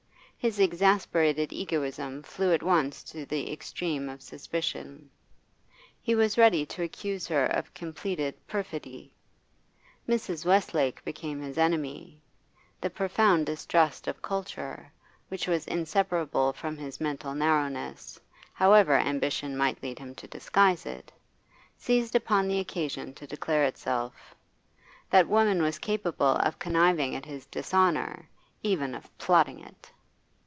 His exasperated egoism flew at once to the extreme of suspicion; he was ready to accuse her of completed perfidy. Mrs. Westlake became his enemy; the profound distrust of culture, which was inseparable from his mental narrowness, however ambition might lead him to disguise it, seized upon the occasion to declare itself; that woman was capable of conniving at his dishonour, even of plotting it.